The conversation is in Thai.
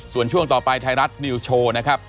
ส่วนช่วงต่อไปไทยรัฐนิวโชว์นะครับ